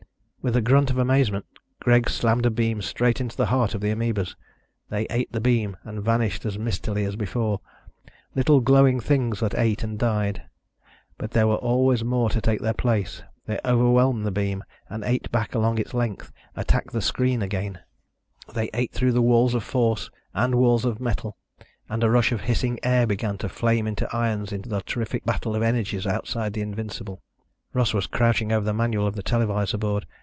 With a grunt of amazement, Greg slammed a beam straight into the heart of the amebas. They ate the beam and vanished as mistily as before, little glowing things that ate and died. But there were always more to take their place. They overwhelmed the beam and ate back along its length, attacked the screen again. They ate through walls of force and walls of metal, and a rush of hissing air began to flame into ions in the terrific battle of energies outside the Invincible. Russ was crouching over the manual of the televisor board.